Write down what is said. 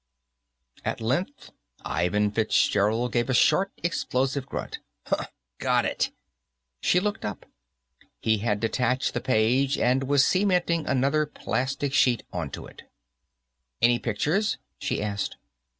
At length, Ivan Fitzgerald gave a short, explosive grunt. "Ha! Got it!" She looked up. He had detached the page and was cementing another plastic sheet onto it. "Any pictures?" she asked.